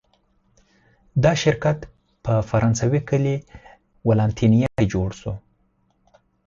دا شرکت په فرانسوي کلي ولانتینیه کې جوړ شو.